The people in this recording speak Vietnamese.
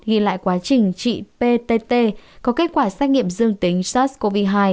ghi lại quá trình chị ptt có kết quả xác nghiệm dương tính sars cov hai